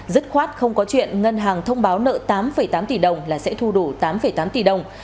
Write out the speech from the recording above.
dứt khoát không có chuyện ngân hàng thông báo nợ tám tám tỷ đồng là sẽ thu đủ tám tám tỷ đồng